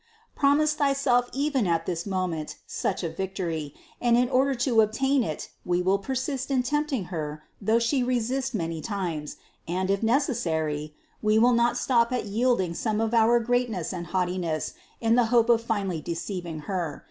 Promise thyself even at this moment such a victory; and in order to obtain it we will persist in tempting Her though She resist many times, and, if necessary, we will not stop at yielding some of our greatness and haughtiness, in the hope of finally deceiving Her.